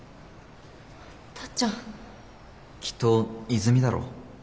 タッちゃん。きっと和泉だろ。